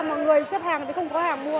mà người xếp hàng thì không có hàng mua